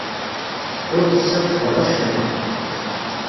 Ur d-tessadfeḍ acemma.